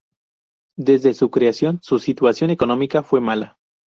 Desde su creación, su situación económica fue mala.